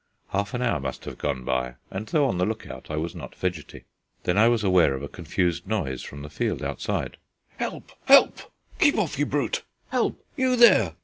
Half an hour must have gone by, and, though on the look out, I was not fidgety. Then I was aware of a confused noise from the field outside. "Help! help! Keep off, you brute! Help, you there!"